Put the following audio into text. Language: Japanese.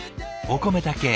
お米だけ。